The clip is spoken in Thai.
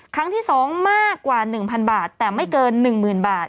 ครั้งที่๒มากกว่า๑๐๐บาทแต่ไม่เกิน๑๐๐๐บาท